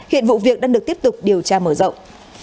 hiện vụ việc đang được tiếp tục điều tra mở rộng